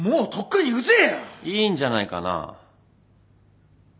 いいんじゃないかな。